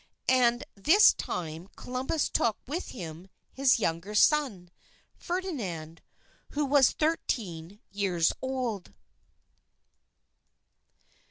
And this time Columbus took with him his younger son, Ferdinand, who was thirteen years old.